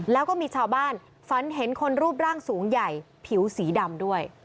แล้วก็มีชาวบ้านฝันเห็นคนรูปร่างสูงใหญ่ผิวสีดำด้วย